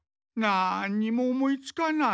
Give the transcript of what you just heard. なんにも思いつかない。